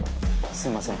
すいません。